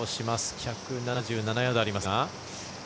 １７７ヤードありますが。